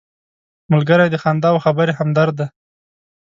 ملګری د خندا او خبرې همدرد دی